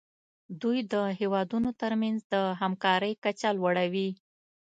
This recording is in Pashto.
دوی د هیوادونو ترمنځ د همکارۍ کچه لوړوي